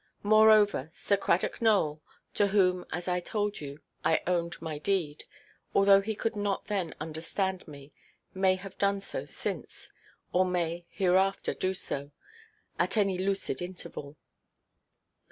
Moreover, Sir Cradock Nowell, to whom, as I told you, I owned my deed, although he could not then understand me, may have done so since, or may hereafter do so, at any lucid interval."